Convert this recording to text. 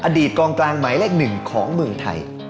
กองกลางหมายเลขหนึ่งของเมืองไทย